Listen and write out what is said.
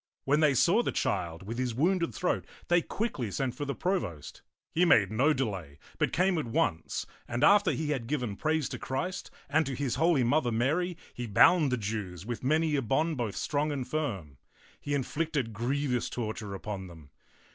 When they saw the child with his wounded throat, they quickly sent for the provost. He made no delay, but came at once, and after he had given praise to Christ and to his holy Mother, Mary, he bound the Jews with many a bond both strong and firm. He inflicted griev ous torture upon them.